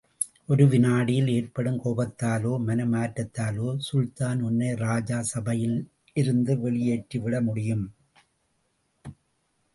ஒரு வினாடியில் ஏற்படும் கோபத்தாலோ மன மாற்றத்தாலோ, சுல்தான் உன்னை ராஜ சபையிலிருந்து வெளியேற்றி விட முடியும்.